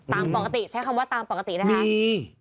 ตามปกติใช้คำว่าตามปกตินะคะ